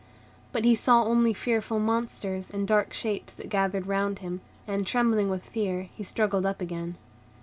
But he saw only fearful monsters and dark shapes that gathered round him; and, trembling with fear, he struggled up again.